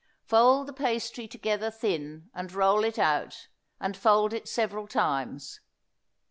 Fold the pastry together thin, and roll it out, and fold it several times.